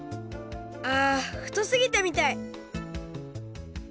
あふとすぎたみたい！